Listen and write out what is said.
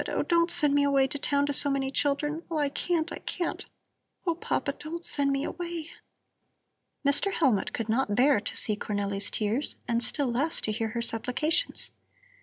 Oh, don't send me to town to so many children! Oh, I can't, I can't. Oh, Papa, don't send me away!" Mr. Hellmut could not bear to see Cornelli's tears and still less to hear her supplications.